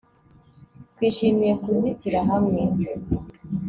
Twishimiye kuzitira hamwe